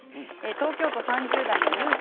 東京都３０代の方。